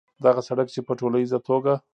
دغه سړک چې په ټولیزه توګه